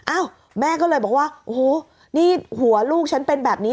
อ้าวแม่ก็เลยบอกว่าโอ้โหนี่หัวลูกฉันเป็นแบบนี้